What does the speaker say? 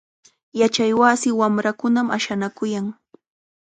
Yachaywasi wamrakunam ashanakuyan.